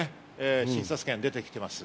診察券が出てきています。